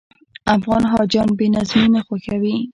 افغان حاجیان بې نظمي نه خوښوي.